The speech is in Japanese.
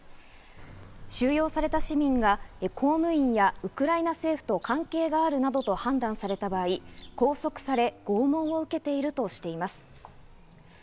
収容された市民が公務員やウクライナ政府と関係があるなどと判断された場合、拘束され、拷問を受けているとしています。